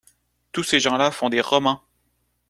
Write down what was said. Tous ces gens-là font des romans !…